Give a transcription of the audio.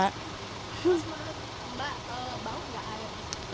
mbak bau gak air